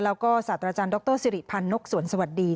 แล้วก็ศาสตราจารย์ดรสิริพันธ์นกสวนสวัสดี